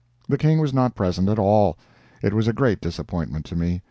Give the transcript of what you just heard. The King was not present at all. It was a great disappointment to me.